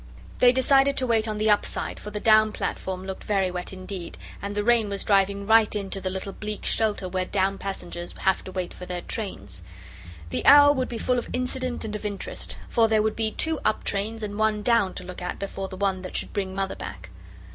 They decided to wait on the up side, for the down platform looked very wet indeed, and the rain was driving right into the little bleak shelter where down passengers have to wait for their trains. The hour would be full of incident and of interest, for there would be two up trains and one down to look at before the one that should bring Mother back.